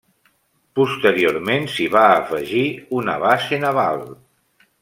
Posteriorment s'hi va afegir una base naval.